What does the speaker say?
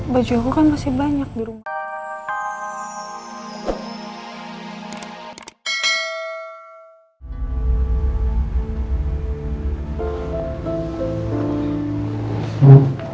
baju aku kan masih banyak di rumah